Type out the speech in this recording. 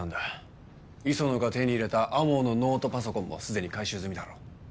磯野が手に入れた天羽のノートパソコンもすでに回収済みだろ。